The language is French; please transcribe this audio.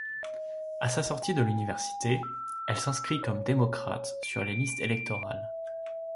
À sa sortie de l'université, elle s'inscrit comme démocrate sur les listes électorales.